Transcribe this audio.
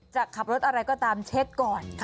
จะขับรถอะไรก็ตามเช็คก่อน